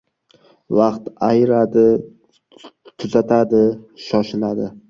• Vaqt ayiradi, tuzatadi, shoshiladi.